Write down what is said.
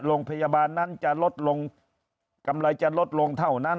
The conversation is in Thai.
โรงพยาบาลนั้นจะลดลงกำไรจะลดลงเท่านั้น